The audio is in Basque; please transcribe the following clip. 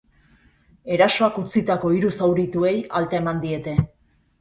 Erasoak utzitako hiru zaurituei alta eman diete.